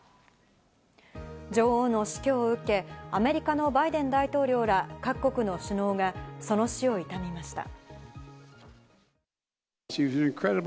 女王の死去を受け、アメリカのバイデン大統領ら各国の首脳がその死を悼みました。